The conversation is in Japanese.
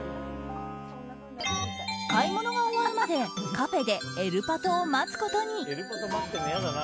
買い物が終わるまでカフェでエルパトを待つことに。